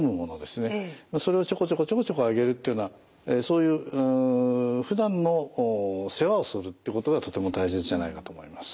それをちょこちょこちょこちょこあげるっていうようなそういうふだんの世話をするってことがとても大切じゃないかと思います。